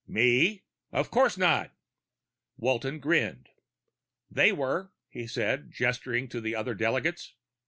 "Me? Of course not!" Walton grinned. "They were," he said, gesturing at the other delegates.